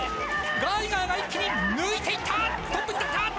ガイガーが一気に抜いていった。